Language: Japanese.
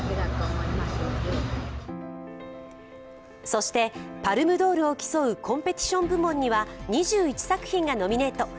そして、パルムドールを競うコンペティション部門には、２１作品がノミネート。